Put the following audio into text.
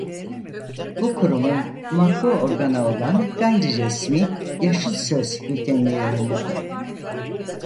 Bu kurumun matbu organı olan gayriresmî "Yaşıl Söz" bültenini yayınladı.